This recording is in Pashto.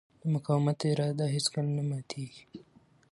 د مقاومت اراده هېڅکله نه ماتېږي.